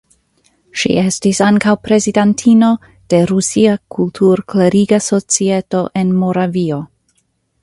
Ŝi estas ankaŭ prezidantino de Rusia Kultur-kleriga Societo en Moravio.